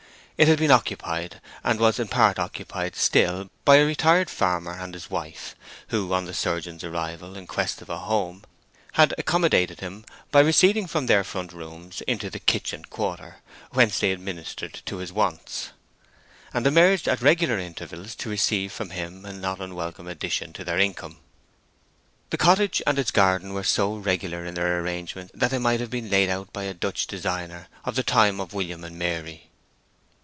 It had been occupied, and was in part occupied still, by a retired farmer and his wife, who, on the surgeon's arrival in quest of a home, had accommodated him by receding from their front rooms into the kitchen quarter, whence they administered to his wants, and emerged at regular intervals to receive from him a not unwelcome addition to their income. The cottage and its garden were so regular in their arrangement that they might have been laid out by a Dutch designer of the time of William and Mary.